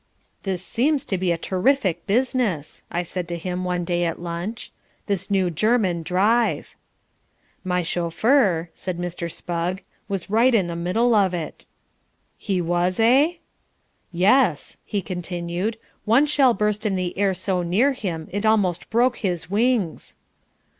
"This seems to be a terrific business," I said to him one day at lunch, "this new German drive." "My chauffeur," said Mr. Spugg, "was right in the middle of it." "He was, eh?" "Yes," he continued, "one shell burst in the air so near him it almost broke his wings."